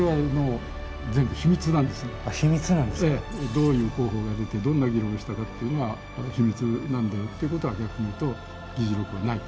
どういう候補が出てどんな議論をしたかっていうのは秘密なんで。ってことは逆にいうと議事録はないと。